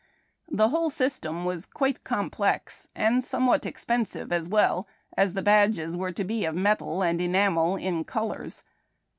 The whole system was quite complex, and some what expensive as well, as the badges were to be of metal and enamel in colors.